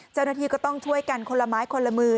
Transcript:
เจ้าหน้าที่ก็ต้องช่วยกันคนละไม้คนละมือ